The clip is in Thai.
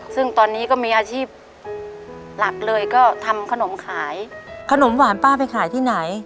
ซึ่งตอนนี้ก็มีอาชีพหลักเลยก็ทำขนมขายขนมหวานป้าไปขายที่ไหน